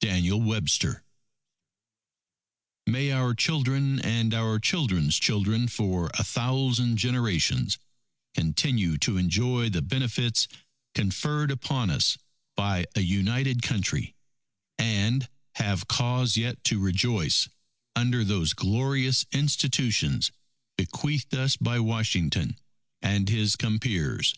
DANIEL WEBSTER May our children and our children's children for a thousand generations continue to enjoy the benefits conferred upon us by a United Country, and have cause yet to rejoice under those glorious institutions bequeathed us by Washington and his compeers!